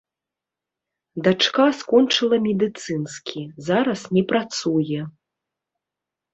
Дачка скончыла медыцынскі, зараз не працуе.